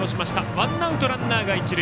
ワンアウト、ランナーが一塁。